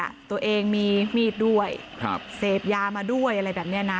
เดี๋ยวเองมีมีดด้วยเสพยามาด้วยอะไรแบบนี้นะ